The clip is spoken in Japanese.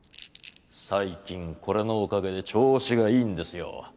最近これのおかげで調子がいいんですよ